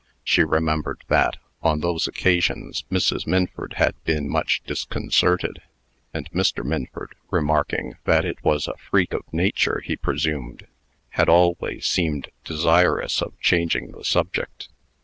She remembered that, on those occasions, Mrs. Minford had been much disconcerted; and Mr. Minford, remarking that it was a freak of nature, he presumed, had always seemed desirous of changing the subject.